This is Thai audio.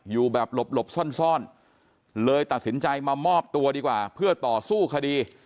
อยู่แบบหลบซ่อนเลยตัดสินใจมามอบตัวดีกว่าเพื่อต่อสู้คดี